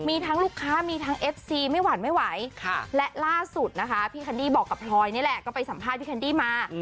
มีทั้งลูกค้ามีทั้งเอฟซีไม่หวั่นไม่ไหวและล่าสุดนะคะพี่แคนดี้บอกกับพลอยนี่แหละก็ไปสัมภาษณ์พี่แคนดี้มา